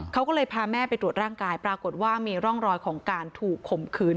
เขาก็เลยพาแม่ไปตรวจร่างกายปรากฏว่ามีร่องรอยของการถูกข่มขืน